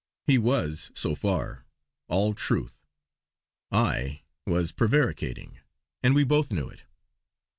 He was, so far, all truth; I was prevaricating and we both knew it!